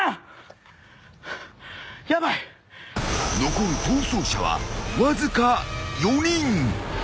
［残る逃走者はわずか４人］